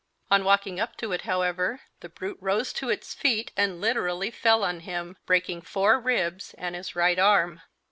On walking up to it, however, the brute rose to its feet and literally fell on him, breaking four ribs and his right arm.